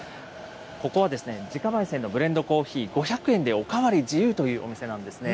ここは自家ばい煎のブレンドコーヒー、５００円でお代わり自由というお店なんですね。